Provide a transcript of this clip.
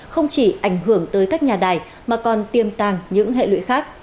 không chỉ ảnh hưởng tới các nhà đài mà còn tiêm tàng những hệ lụy khác